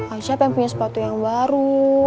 aisyah yang punya sepatu yang baru